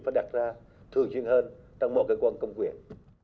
phải đạt ra thường chuyên hơn trong mọi cơ quan công quyền